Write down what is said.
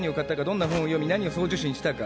どんな本を読み何を送受信したか。